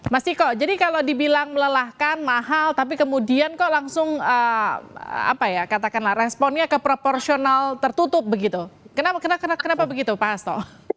mas ciko jadi kalau dibilang melelahkan mahal tapi kemudian kok langsung apa ya katakanlah responnya ke proporsional tertutup begitu kenapa begitu pak hasto